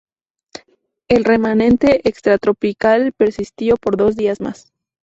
El remanente extratropical persistió por dos días más.